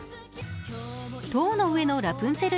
「塔の上のラプンツェル」